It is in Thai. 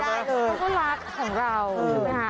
ใช่ไหมมันก็รักของเรา